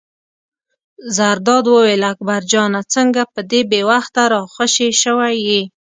زرداد وویل: اکبر جانه څنګه په دې بې وخته را خوشې شوی یې.